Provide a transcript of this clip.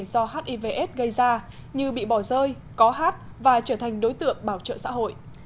do hivs gây ra như bị bỏ rơi có hát và trở thành đối tượng bảo trợ xã hội